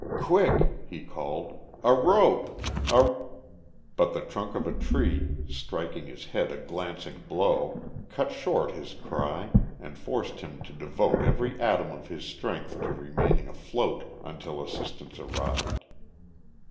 "Quick!" he called. "A rope! A " but the trunk of a tree, striking his head a glancing blow, cut short his cry and forced him to devote every atom of his strength to remaining afloat until assistance arrived.